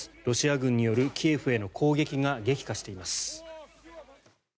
ロシア軍によるキエフへの攻撃が激化しています。